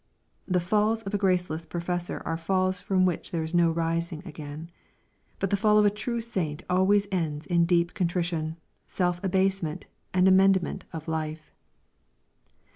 The falls of a graceless professor are falls from which there is no rising again. But the fall of ^ true saint always ends in deep contrition, self abasement, and amendment of life.